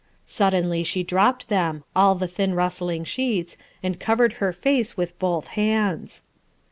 Suddenly she dropped them, all the thin rustling sheets, and covered her face with both hands.